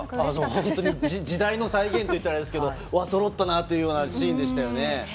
時代の再現といったらあれですが、そろったな！といったシーンでしたね。